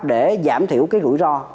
để giảm thiểu cái rủi ro